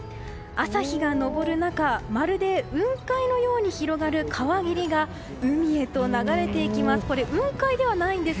朝日が昇る中、まるで雲海のように広がる川霧が海へと流れていきます。